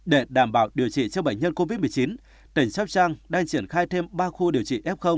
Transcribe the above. để đảm bảo điều trị cho bệnh nhân covid một mươi chín tỉnh sóc trăng đang triển khai thêm ba khu điều trị f